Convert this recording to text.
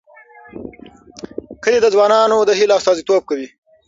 کلي د ځوانانو د هیلو استازیتوب کوي.